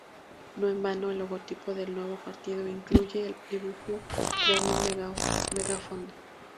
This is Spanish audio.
No en vano el logotipo del nuevo partido incluye el dibujo de un megáfono.